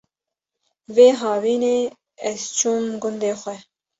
Vê havînê ez çûm gundê xwe